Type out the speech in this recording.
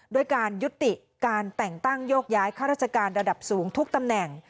ด้วยการยุติการแต่งตั้งโยกย้ายข้าราชการระดับสูงทุกตำแหน่ง